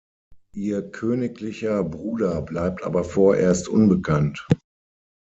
Ihr königlicher Bruder bleibt aber vorerst unbekannt.